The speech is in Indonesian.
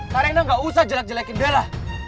kak raina gak usah jelek jelekin bella